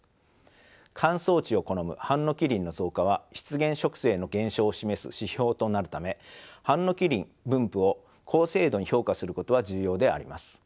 乾燥地を好むハンノキ林の増加は湿原植生の減少を示す指標となるためハンノキ林分布を高精度に評価することは重要であります。